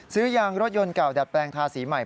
ซื้อยางรถยนต์เก่าดัดแปลงทาสีใหม่